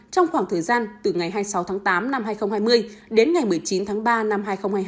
trong khoảng thời gian từ ngày hai mươi sáu tháng tám năm hai nghìn hai mươi đến ngày một mươi chín tháng ba năm hai nghìn hai mươi hai